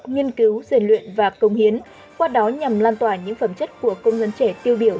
nghiên cứu rèn luyện và công hiến qua đó nhằm lan tỏa những phẩm chất của công nhân trẻ tiêu biểu